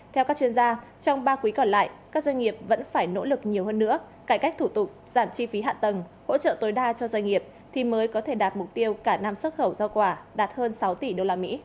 theo các chuyên gia trong ba quý còn lại các doanh nghiệp vẫn phải nỗ lực nhiều hơn nữa cải cách thủ tục giảm chi phí hạ tầng hỗ trợ tối đa cho doanh nghiệp thì mới có thể đạt mục tiêu cả năm xuất khẩu giao quả đạt hơn sáu tỷ usd